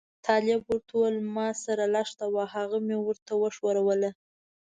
طالب ورته وویل ما سره لښته وه هغه مې ورته وښوروله.